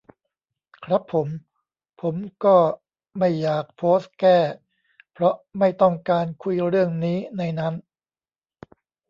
ครับผม ผมก็ไม่อยากโพสต์แก้ เพราะไม่ต้องการคุยเรื่องนี้ในนั้น